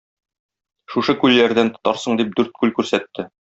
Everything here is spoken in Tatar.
Шушы күлләрдән тотарсың, - дип дүрт күл күрсәтте.